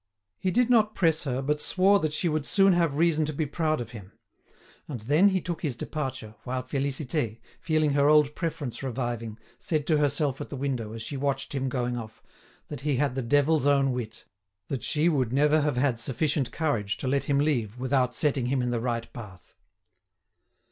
He did not press her, but swore that she would soon have reason to be proud of him; and then he took his departure, while Félicité, feeling her old preference reviving, said to herself at the window, as she watched him going off, that he had the devil's own wit, that she would never have had sufficient courage to let him leave without setting him in the right path.